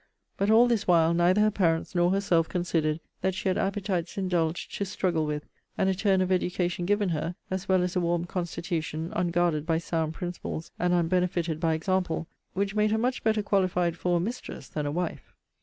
But all this while, neither her parents nor herself considered that she had appetites indulged to struggle with, and a turn of education given her, as well as a warm constitution, unguarded by sound principles, and unbenefitted by example, which made her much better qualified for a mistress than a wife.